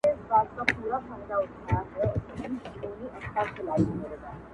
شیطانانو په تیارو کي شپې کرلي!.